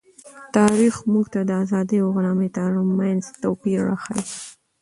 تاریخ موږ ته د آزادۍ او غلامۍ ترمنځ توپیر راښيي.